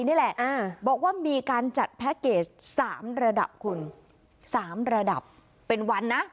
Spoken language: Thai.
ได้และอ่าบอกว่ามีการจัดสามระดับคุณสามระดับเป็นวันนะ